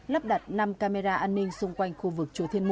lắp đặt năm camera an ninh xung quanh khu vực chùa thiên một